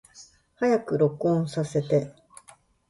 早く録音させて